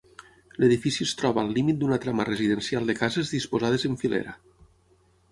L'edifici es troba al límit d'una trama residencial de cases disposades en filera.